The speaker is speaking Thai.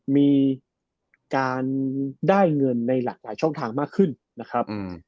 มีการได้เงินในหลากหลายช่องทางมากขึ้นนะครับ